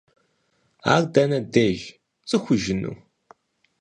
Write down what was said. Ар дэнэ деж? ПцӀыхужыну?